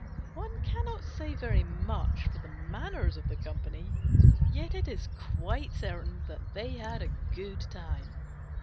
One cannot say very much for the manners of the company, yet it is quite certain that they had a good time.